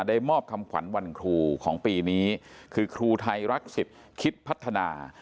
ได้มอบคำขวัญวันครูของปีนี้คือครูไทยรักสิทธิ์คิดพัฒนา